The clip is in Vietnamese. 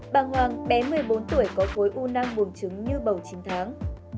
bà hoàng bé một mươi bốn tuổi có khối u năng bùn trứng như bầu chín tháng